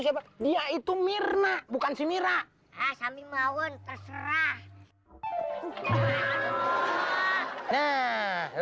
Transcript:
hai dia itu mirna bukan si mira asami maun terserah nah lo